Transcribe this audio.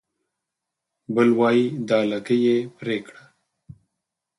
بل وای دا لکۍ يې پرې کړه